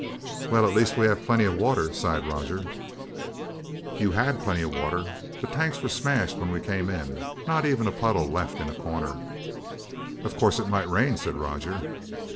"Well, at least we have plenty of water," sighed Roger. "You had plenty of water. The tanks were smashed when we came in. Not even a puddle left in a corner." "Of course it might rain," said Roger.